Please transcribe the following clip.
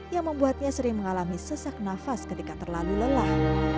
yang membuatnya sering mengalami sesak nafas ketika terlalu lelah